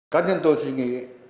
cá nhân tôi suy nghĩ